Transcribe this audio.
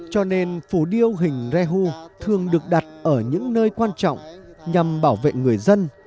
cho nên phù điêu hình rehu thường được đặt ở những nơi quan trọng nhằm bảo vệ người dân